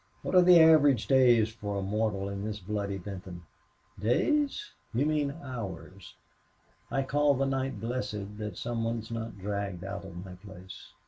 "What are the average days for a mortal in this bloody Benton?" "Days! You mean hours. I call the night blessed that some one is not dragged out of my place.